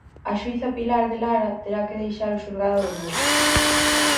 A xuíza Pilar de Lara terá que deixar o xulgado de Lugo.